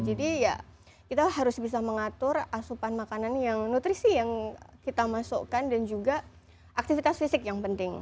jadi ya kita harus bisa mengatur asupan makanan yang nutrisi yang kita masukkan dan juga aktivitas fisik yang penting